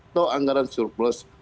toh anggaran surplus